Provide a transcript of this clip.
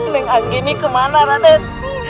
leng anggini kemana raden